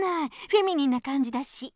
フェミニンなかんじだし。